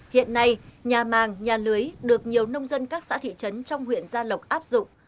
hiện nay nhà màng nhà lưới được nhiều nông dân các xã thị trấn trong huyện gia lộc áp dụng